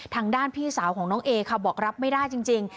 ทางด้านพี่สาวของน้องเอค่ะบอกรับไม่ได้จริง